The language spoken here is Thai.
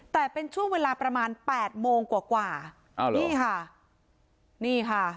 แต่เป็นช่วงเวลาประมาณแปดโมงกว่ากว่าอ้าวนี่ค่ะนี่ค่ะ